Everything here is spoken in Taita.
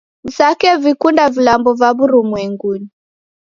Msake vikunda vilambo va w'urumwengunyi